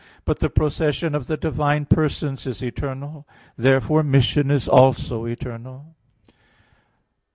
But the procession of the divine persons is eternal. Therefore mission is also eternal.